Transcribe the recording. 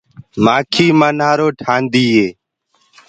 مآکي ڇتو ٺهآندي هي۔